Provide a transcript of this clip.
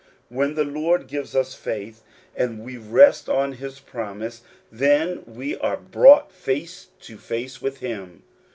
When the Lord gives us faith, and we rest on his promise, then are we brought face to face with him.